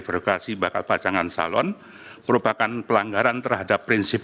birokrasi bakal pasangan calon merupakan pelanggaran terhadap prinsip